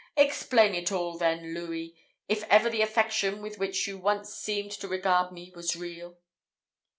Explain it all then, Louis, if ever the affection with which you once seemed to regard me was real."